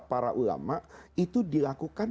para ulama itu dilakukan